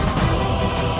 aku akan menang